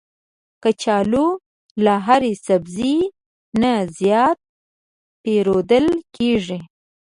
کچالو له هر سبزي نه زیات پېرودل کېږي